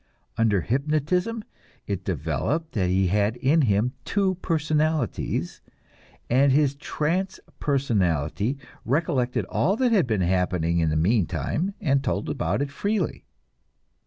Under hypnotism it developed that he had in him two personalities, and his trance personality recollected all that had been happening in the meantime and told about it freely.